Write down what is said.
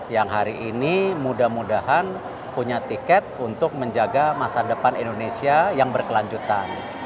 yang hari ini mudah mudahan punya tiket untuk menjaga masa depan indonesia yang berkelanjutan